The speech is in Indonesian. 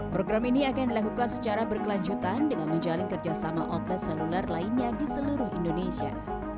program ini akan dilakukan secara berkelanjutan dengan menjalin kerjasama outlet seluler lainnya di seluruh indonesia